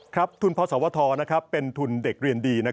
ทุนพศวทเป็นทุนเด็กเรียนดี